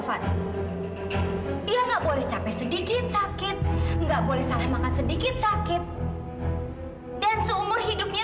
van ia nggak boleh capek sedikit sakit enggak boleh salah makan sedikit sakit dan seumur hidupnya